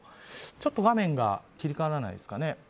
ちょっと画面が切り替わらないですかね。